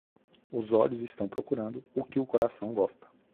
Os olhos estão procurando o que o coração gosta.